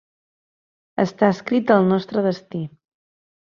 Està escrit al nostre destí.